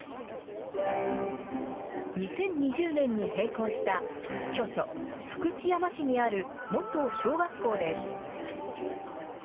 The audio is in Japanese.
２０２０年に閉校した、京都・福知山市にある元小学校です。